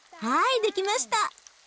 はい出来ました！